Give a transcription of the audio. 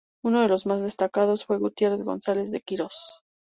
Uno de los más destacados fue Gutierre González de Quirós.